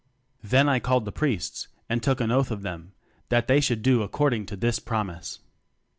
'Then I called the priests, and took an oath of them, that they should do according to this promise.